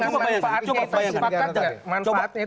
dengan manfaatnya itu sepakat nggak